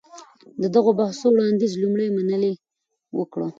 د دغو بحثو وړانديز لومړی منلي وکړ.